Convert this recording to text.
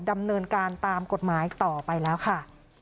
ดำเนินการตามกฎหมายต่อไปแล้วค่ะ